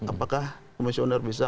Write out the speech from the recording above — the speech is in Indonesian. apakah komisioner bisa